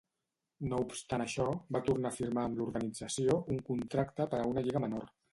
No obstant això, va tornar a firmar amb l'organització un contracte per a una lliga menor.